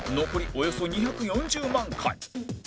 およそ２４０万回